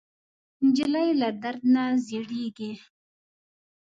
نجلۍ له درد نه زړېږي.